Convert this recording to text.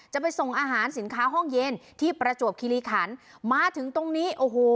จะไปส่งอาหารสินค้าห้องเย็นที่ประจวบคิริขันมาถึงตรงนี้โอ้โห